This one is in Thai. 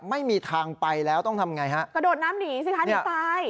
ไม่มีทางไปแล้วต้องทำไงฮะกระโดดน้ำหนีสิคะหนีตาย